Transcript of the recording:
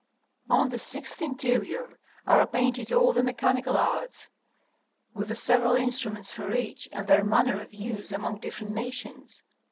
On the sixth interior are painted all the mechanical arts, with the several instruments for each and their manner of use among different nations.